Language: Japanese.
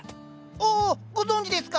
おおご存じですか？